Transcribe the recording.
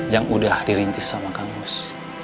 yang udah dirintis sama kang mus